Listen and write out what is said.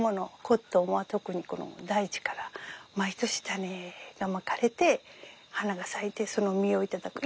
コットンは特に大地から毎年種がまかれて花が咲いてその実を頂く。